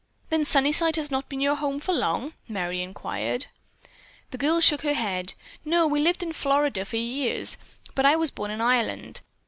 "Then Sunnyside has not been your home for long?" Merry inquired. The girl shook her head. "No, we lived in Florida for years, but I was born in Ireland.